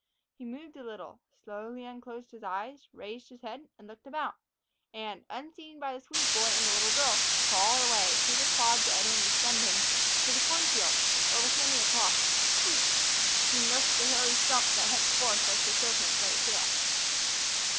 He moved a little, slowly unclosed his eyes, raised his head, and looked about; and, unseen by the Swede boy and the little girl, crawled away, through the clods that had only stunned him, to the corn field, where, with many a cross seek, he nursed the hairy stump that henceforth was to serve him for a tail.